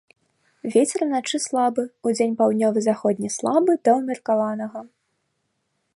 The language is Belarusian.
Вецер уначы слабы, удзень паўднёва-заходні слабы да ўмеркаванага.